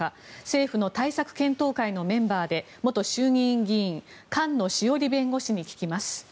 政府の対策検討会のメンバーで元衆議院議員菅野志桜里弁護士に聞きます。